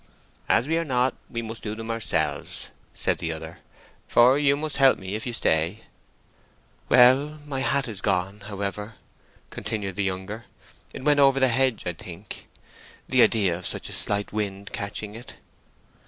"As we are not, we must do them ourselves," said the other; "for you must help me if you stay." "Well, my hat is gone, however," continued the younger. "It went over the hedge, I think. The idea of such a slight wind catching it."